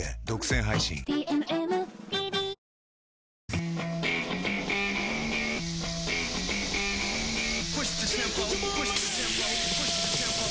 プシューッ！